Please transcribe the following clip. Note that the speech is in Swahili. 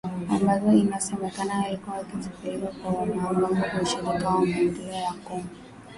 Ambazo inasemekana alikuwa akizipeleka kwa wanamgambo wa Ushirika kwa Maendeleo ya Kongo katika mkoa wa Kobu.